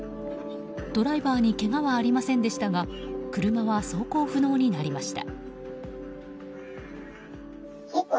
ドライバーにけがはありませんでしたが車は走行不能になりました。